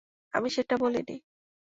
আমি সেটা বলিনি।